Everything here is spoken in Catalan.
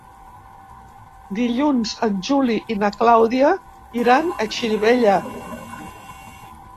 Dilluns en Juli i na Clàudia iran a Xirivella.